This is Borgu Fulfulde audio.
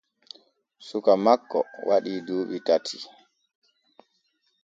Suka makko waɗii duuɓi tati.